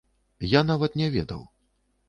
Я нават не ведаў.